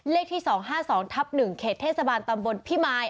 เลขที่๒๕๒ทับ๑เขตเทศบาลตำบลพิมาย